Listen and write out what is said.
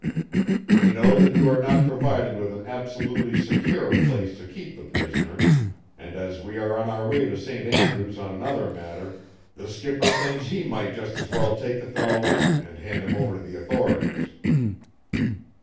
We know that you are not provided with an absolutely secure place to keep the prisoner, and, as we are on our way to St. Andrews on another matter, the skipper thinks he might just as well take the fellow in and hand him over to the authorities."